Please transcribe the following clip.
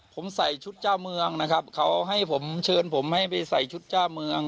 ผมใส่ชุดเจ้าเมืองนะครับเขาให้ผมเชิญผมให้ไปใส่ชุดเจ้าเมือง